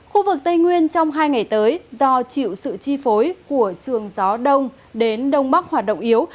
khu vực tây nguyên trong hai ngày tới do chịu sự chi phối của trường gió đông đến đông bắc hoạt động yếu